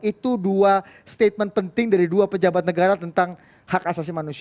itu dua statement penting dari dua pejabat negara tentang hak asasi manusia